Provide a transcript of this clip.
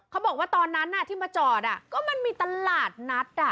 เขาบอกว่าตอนนั้นที่มาจอดก็มันมีตลาดนัด